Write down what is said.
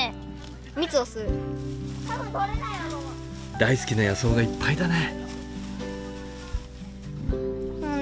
大好きな野草がいっぱいだね。